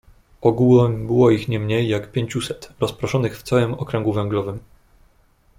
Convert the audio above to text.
"Ogółem było ich nie mniej, jak pięciuset, rozproszonych w całym okręgu węglowym."